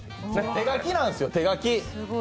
手書きなんですよ、手書き。